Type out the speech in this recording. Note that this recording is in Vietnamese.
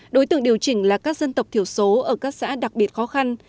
đối tượng điều chỉnh là các dân tộc thiểu số ở các xã đặc biệt khó khăn